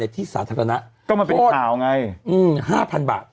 ในที่สาธารณะก็มันเป็นข่าวไงอืมห้าพันบาท